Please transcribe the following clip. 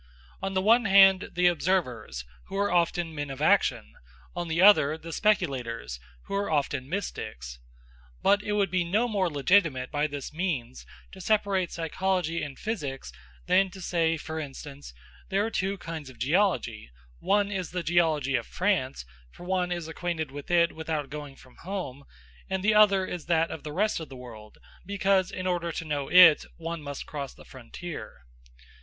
On the one hand, the observers, who are often men of action; on the other, the speculators, who are often mystics. But it would be no more legitimate by this means to separate psychology and physics than to say, for instance, "There are two kinds of geology: one is the geology of France, for one is acquainted with it without going from home, and the other is that of the rest of the world, because in order to know it one must cross the frontier."